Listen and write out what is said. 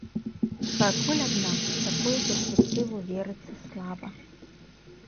Пакуль, аднак, у такую перспектыву верыцца слаба.